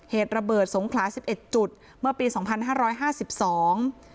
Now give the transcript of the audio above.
เหตุระเบิดสงขลาสิบเอ็ดจุดเมื่อปีสองพันห้าร้อยห้าสิบสอง